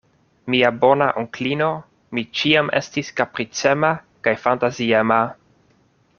Mia bona onklino, mi ĉiam estis kapricema kaj fantaziema.